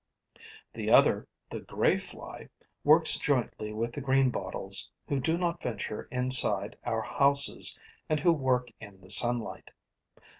The other, the grey fly, works jointly with the greenbottles, who do not venture inside our houses and who work in the sunlight.